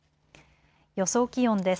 予想気温です。